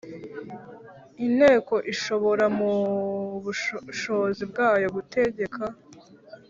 Inteko ishobora mu bushishozi bwayo gutegeka